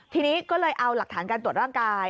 ทีนี้ก็เลยเอาหลักฐานการตรวจร่างกาย